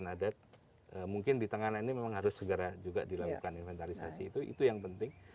jadi kalau ada masyarakat adat mungkin di tengah lainnya memang harus segera juga dilakukan inventarisasi itu yang penting